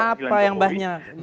data apa yang banyak